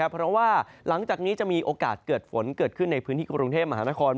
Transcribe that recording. เพราะว่าหลังจากนี้จะมีโอกาสเกิดฝนเกิดขึ้นในพื้นที่กรุงเทพมหานคร